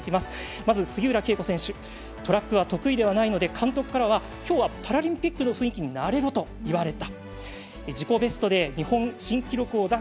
まず杉浦佳子選手トラックは得意ではないから監督からはきょうはパラリンピックの雰囲気に慣れろといわれた。